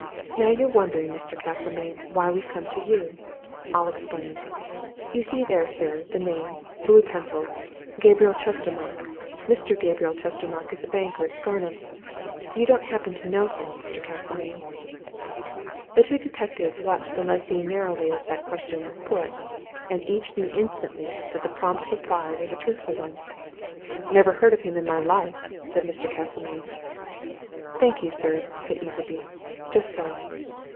Now you're wondering, Mr. Castlemayne, why we come to you? I'll explain. You'll see there, sir, the name blue pencilled Gabriel Chestermarke. Mr. Gabriel Chestermarke is a banker at Scarnham. You don't happen to know him, Mr. Castlemayne?" The two detectives watched the lessee narrowly as that question was put. And each knew instantly that the prompt reply was a truthful one. "Never heard of him in my life," said Mr. Castlemayne. "Thank you, sir," said Easleby. "Just so!